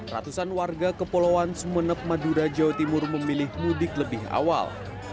ratusan warga kepulauan sumeneb madura jawa timur memilih mudik lebih awal